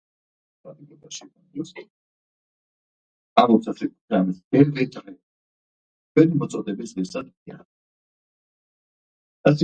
The poisoned river goes back to the very beginning of the eighteenth century.